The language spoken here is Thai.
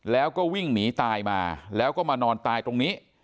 แล้วก็วิ่งหนีตายมาแล้วก็มานอนตายตรงนี้